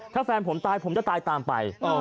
ถ้าแฟนผมตายผมจะตายตามไป